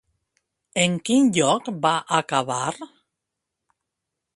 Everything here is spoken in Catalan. En quin lloc va acabar?